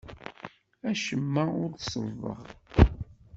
Acemma ur t-sellḍeɣ.